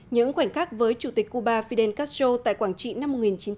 những khoảnh khắc với chủ tịch cuba fidel castro tại quảng trị năm một nghìn chín trăm bảy mươi